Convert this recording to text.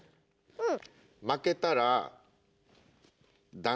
うん。